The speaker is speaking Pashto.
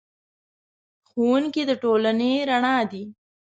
ښوونکی د ټولنې رڼا دی.